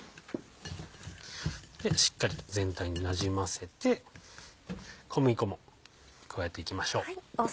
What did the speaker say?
しっかりと全体になじませて小麦粉も加えていきましょう。